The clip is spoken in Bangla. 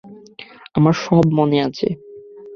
আমার সব মনে আছে।